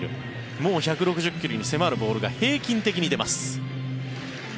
もう１６０ｋｍに迫るボールが平均的に出ます。